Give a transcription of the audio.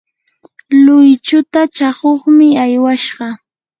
luychuta chakuqmi aywashqa.